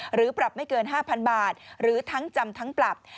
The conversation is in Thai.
หรือปรับไม่เกิน๕๐๐๐บาทหรือทั้งจำทั้งปรับ